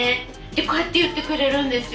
こうやって言ってくれるんですよ